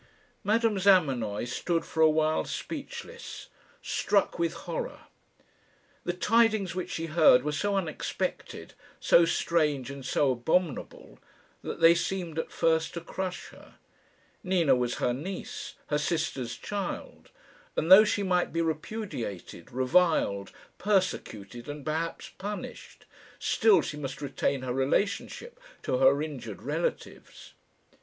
Madame Zamenoy stood for a while speechless struck with horror. The tidings which she heard were so unexpected, so strange, and so abominable, that they seemed at first to crush her. Nina was her niece her sister's child; and though she might be repudiated, reviled, persecuted, and perhaps punished, still she must retain her relationship to her injured relatives.